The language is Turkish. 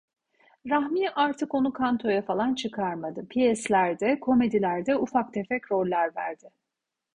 Rahmi artık onu kantoya falan çıkarmadı, piyeslerde, komedilerde ufak tefek roller verdi.